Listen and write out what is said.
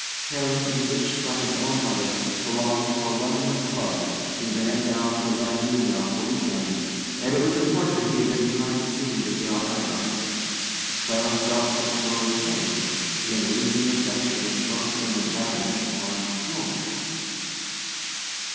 Harry, enriched by his own mother, belonged to a London club; he ran down to Llandudno for week ends; and it was reported that he had been behind the scenes at the Alhambra. Clara felt for the word 'Harry' the unreasoning affection which most women lavish on 'George.'